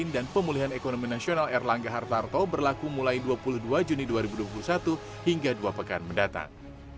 dan pemulihan ekonomi nasional erlangga hartarto berlaku mulai dua puluh dua juni dua ribu dua puluh satu hingga dua pekan mendatang